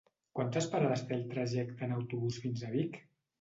Quantes parades té el trajecte en autobús fins a Vic?